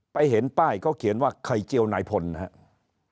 เห็นป้ายเขาเขียนว่าไข่เจียวนายพลนะครับ